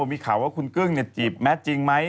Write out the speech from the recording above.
มีข่าวว่าคุณกึ้งจีบแมทจริงไหม